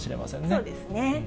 そうですね。